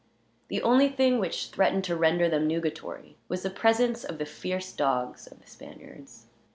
The only thing which threatened to render them nugatory was the presence of the fierce dogs of the Spaniards.